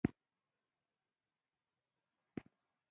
ووایه چې دا غرونه ستا شتمني ده.